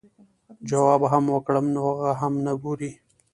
جواب هم وکړم نو هغه هم نۀ ګوري -